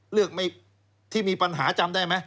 ที่มีปัญหาจำได้ไหม